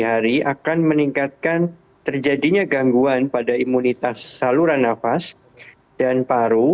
hari akan meningkatkan terjadinya gangguan pada imunitas saluran nafas dan paru